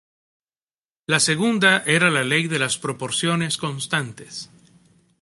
La segunda era la Ley de las proporciones constantes.